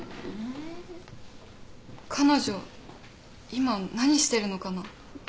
彼女今何してるのかな？